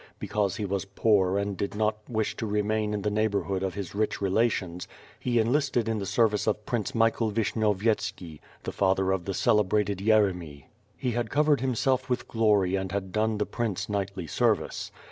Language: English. Because he was poor and did not wish to remain in the neighborhood of his rich relations, he enlisted in the service of Prince Michael Vishnyovyetski, the father of the celebrated Yeremy. He had covered himself with glory and had done the Prince knightly service.